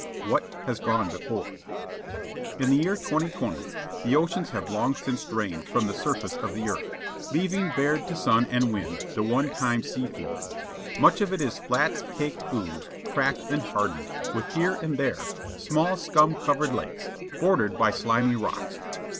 ] WHAT HAS GONE BEFORE In the year 2020 the oceans have long since drained from the surface of the earth, leaving bared to sun and wind the one time sea floor. Much of it is flat, caked ooze, cracked and hardened, with, here and there, small scum covered lakes, bordered by slimy rocks.